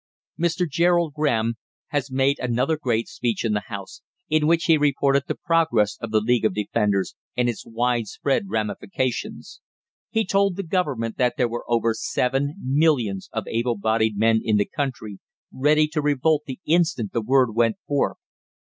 Mr. Gerald Graham has made another great speech in the House, in which he reported the progress of the League of Defenders and its wide spread ramifications. He told the Government that there were over seven millions of able bodied men in the country ready to revolt the instant the word went forth.